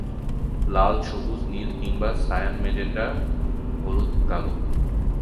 লাল-সবুজ-নীল কিংবা সায়ান-ম্যাজেন্টা-হলুদ-কালো।